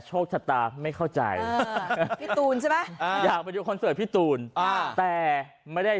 โชคชัดตาไม่เข้าใจพี่ดูไปคอนเสิร์ตพี่ตูนะแต่ไม่ได้